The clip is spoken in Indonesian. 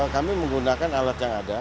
kami menggunakan alat yang ada